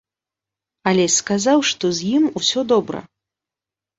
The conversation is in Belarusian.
Алесь сказаў, што з ім усё добра.